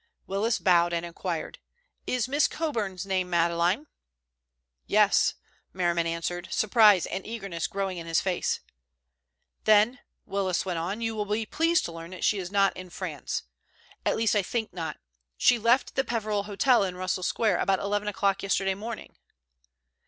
Willis bowed and inquired, "Is Miss Coburn's name Madeleine?" "Yes," Merriman answered, surprise and eagerness growing in his face. "Then," Willis went on, "you will be pleased to learn that she is not in France—at least, I think not. She left the Peveril Hotel in Russell Square about eleven o'clock yesterday morning."